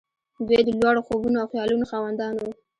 دوی د لوړو خوبونو او خيالونو خاوندان وو.